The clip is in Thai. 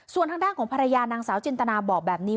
ส่วนทางด้านของภรรยานางสาวจินตนาบอกแบบนี้